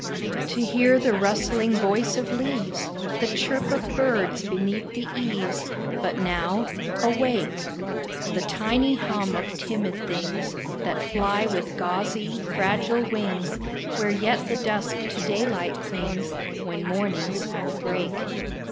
To hear the rustling voice of leaves, The chirp of birds beneath the eaves, But now awake. The tiny hum of timid things That fly with gauzy, fragile wings, Where yet the dusk to daylight clings, When mornings break.